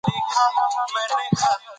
.په ټوله کې ولسي ادبيات